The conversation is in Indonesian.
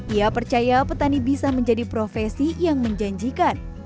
ia percaya petani bisa menjadi profesi yang menjanjikan